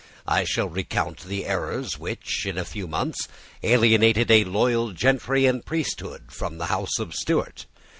I shall recount the errors which, in a few months, alienated a loyal gentry and priesthood from the House of Stuart.